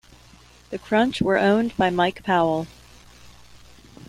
The Crunch were owned by Mike Powell.